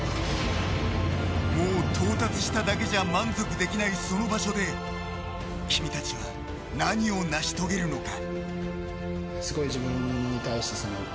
もう到達しただけじゃ満足できない、その場所で君たちは何を成し遂げるのか。